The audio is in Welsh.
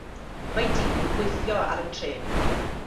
Mae dyn yn gweithio ar y trên